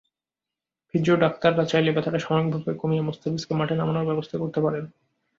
ফিজিও-ডাক্তাররা চাইলে ব্যথাটা সাময়িকভাবে কমিয়ে মুস্তাফিজকে মাঠে নামানোর ব্যবস্থা করতে পারেন।